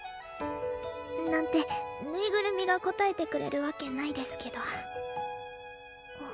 なんてぬいぐるみが答えてくれるわけないですけど